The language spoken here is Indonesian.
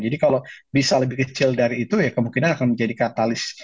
jadi kalau bisa lebih kecil dari itu ya kemungkinan akan menjadi katalis